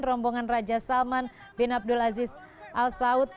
rombongan raja salman bin abdul aziz al saud